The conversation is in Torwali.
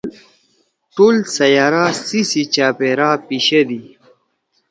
ٹول سیّارہ سی سی چاپیرا پیِشدی۔